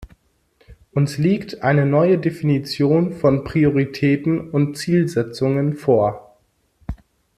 Uns liegt eine neue Definition von Prioritäten und Zielsetzungen vor.